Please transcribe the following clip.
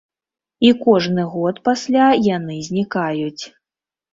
І кожны год пасля яны знікаюць.